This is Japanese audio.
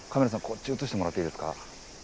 こっち映してもらっていいですか？